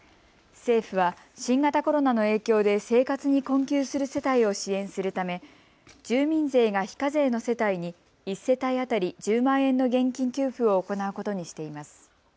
政府は新型コロナの影響で生活に困窮する世帯を支援するため住民税が非課税の世帯に１世帯当たり１０万円の現金給付を行うことにしています。